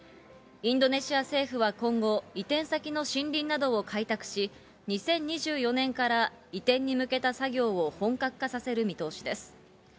インドネシア政府は今後、移転先の森林などを開拓し、２０２４年から移転に向けた作業を本格化させる見通しです。